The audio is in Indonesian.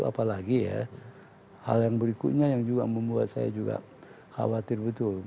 apalagi ya hal yang berikutnya yang juga membuat saya juga khawatir betul